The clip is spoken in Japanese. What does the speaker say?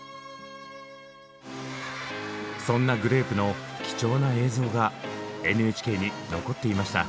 そんなグレープの貴重な映像がＮＨＫに残っていました。